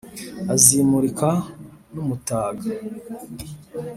Azimurika n'umutaga